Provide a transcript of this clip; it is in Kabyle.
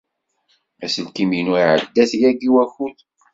Aselkim-inu iɛedda-t yagi wakud.